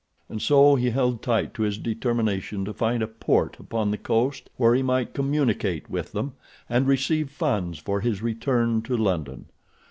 And so he held tight to his determination to find a port upon the coast where he might communicate with them and receive funds for his return to London.